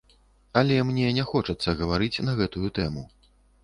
Але мне не хочацца гаварыць на гэтую тэму.